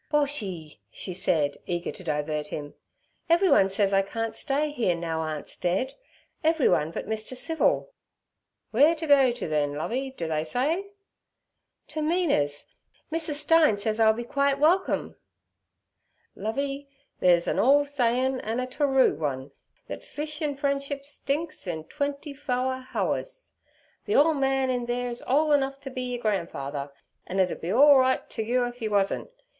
'Boshy' she said, eager to divert him, 'everyone says I can't stay here now aunt's dead—everyone but Mr. Civil.' 'Weer t' go t', then, Lovey, do they say?' 'To Mina's. Mrs. Stein says I'll be quite welcome.' 'Lovey, theys a nole sayin', an' a terue one, thet fish an' frien'ship stinks in twenty fower howers. The ole man in theer'es ole enough to be yer gran'father, an' it ud be all right t' you if 'e wasn't.